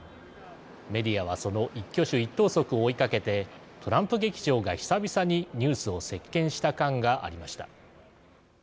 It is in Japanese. メディアはその一挙手一投足を追いかけてトランプ劇場が久々にニュースを席けんした観がありました。